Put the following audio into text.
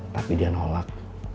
tapi dia nolak